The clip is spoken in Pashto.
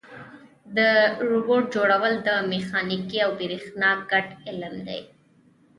د روبوټ جوړول د میخانیک او برېښنا ګډ علم دی.